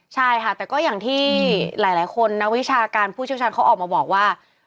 ใช่ค่ะแต่ก็อย่างที่หลายคนนักวิชาการผู้เชี่ยวชาญเขาออกมาบอกว่า